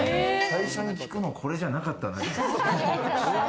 最初に聞くの、これじゃなかったな。